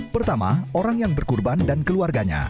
pertama orang yang berkurban dan keluarganya